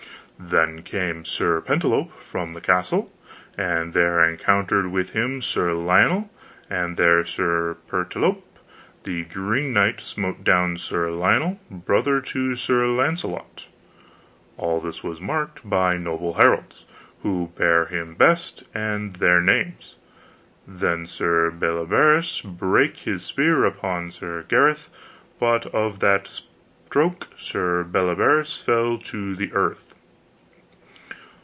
Then came Sir Pertolope from the castle, and there encountered with him Sir Lionel, and there Sir Pertolope the green knight smote down Sir Lionel, brother to Sir Launcelot. All this was marked by noble heralds, who bare him best, and their names. Then Sir Bleobaris brake his spear upon Sir Gareth, but of that stroke Sir Bleobaris fell to the earth.